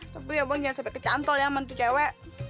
tapi abang jangan sampe kecantol ya mantu cewek